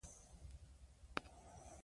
ملالۍ یادېږي.